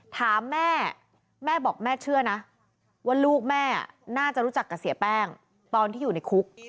ถามแม่แม่บอกแม่เชื่อนะว่าลูกแม่น่าจะรู้จักกับเสียแป้งตอนที่อยู่ในคุก